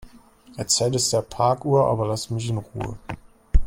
Erzähl es der Parkuhr, aber lass mich in Ruhe.